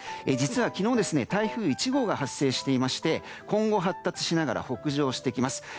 実は、昨日台風１号が発生していまして今後、発達しながら北上してきます。